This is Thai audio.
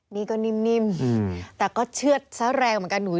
นี่ก็นิ่มแต่ก็เชื่อดซะแรงเหมือนกันหุย